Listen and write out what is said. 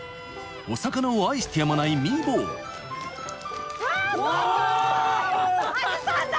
お魚を愛してやまないミー坊うわ総長すごいアジさんだ！